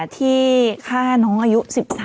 ที่ฆ่าน้องอายุ๑๓